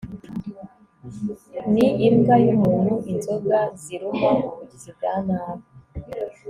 ni Imbwa Yumuntu inzoga ziruma ubugizi bwa nabi